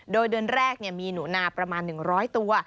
โดยเดือนแรกมีหนูนาประมาณ๑๐๐ตัว